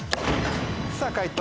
さぁ解答